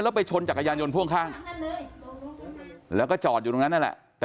แล้วไปชนจักรยานยนต์พ่วงข้างแล้วก็จอดอยู่ตรงนั้นนั่นแหละแต่